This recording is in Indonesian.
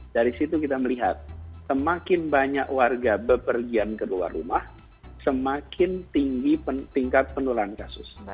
dari situ kita melihat semakin banyak warga bepergian ke luar rumah semakin tinggi tingkat penularan kasus